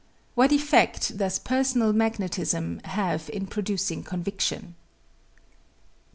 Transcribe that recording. What effect does personal magnetism have in producing conviction? 23.